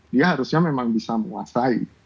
dia harusnya memang bisa menguasai